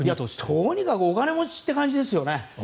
とにかくお金持ちという感じですよね。